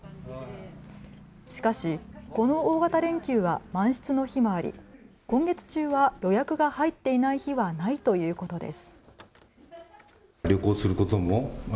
しかしこの大型連休は満室の日もあり、今月中は予約が入っていない日はないということです。